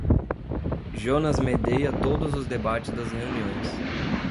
Jonas medeia todos os debates das reuniões.